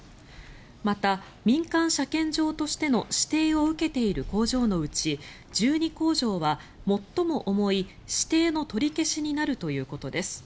また、民間車検場としての指定を受けている工場のうち１２工場は、最も重い指定の取り消しになるということです。